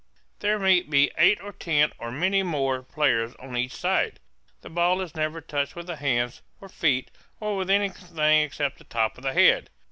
There may be eight or ten, or many more, players on each side. The ball is never touched with the hands or feet, or with anything except the top of the head.